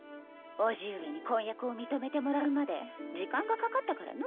伯父上に婚約を認めてもらうまで時間がかかったからのう。